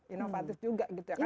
inovatif juga gitu ya